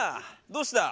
どうした？